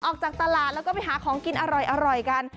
ออกจากตลาดแล้วก็ไปหาของกินอร่อยกัน